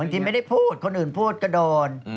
ที่ไม่ได้พูดคนอื่นพูดก็โดน